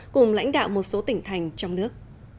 cùng lãnh đạo một số tỉnh thành trong nước